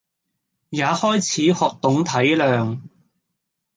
也開始學懂體諒